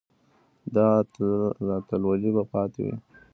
دا اتلولي به پاتې وي.